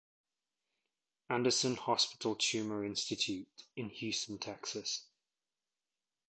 Anderson Hospital Tumor Institute in Houston, Texas.